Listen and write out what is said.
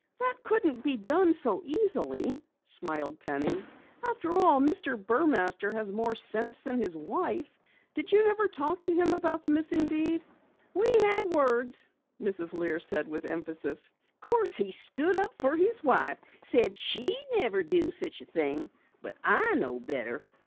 "That couldn't be done so easily," smiled Penny. "After all, Mr. Burmaster has more sense than his wife. Did you never talk to him about the missing deed?" "We had words," Mrs. Lear said with emphasis. "'Course he stood up fer his wife said she'd never do such a thing. But I know better!"